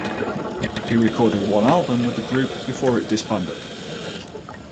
He recorded one album with the group before it disbanded.